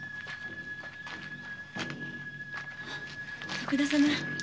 徳田様。